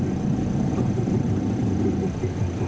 ก็ต้องมาถึงจุดตรงนี้ก่อนใช่ไหม